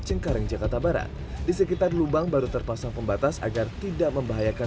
cimkaring jakarta barat disekitar lubang baru terpasang pembatas agar tidak membahayakan